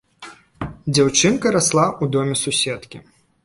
Дзяўчынка расла ў доме суседкі.